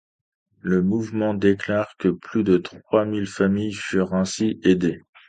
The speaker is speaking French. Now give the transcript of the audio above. Le mouvement déclare que plus de trois mille familles furent ainsi aidées.